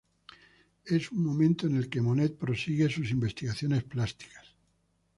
Es un momento en el que Monet prosigue sus investigaciones plásticas.